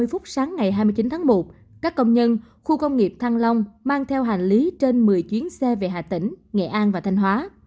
năm h ba mươi sáng hai mươi chín tháng một các công nhân khu công nghiệp thăng long mang theo hành lý trên một mươi chuyến xe về hà tĩnh nghệ an và thanh hóa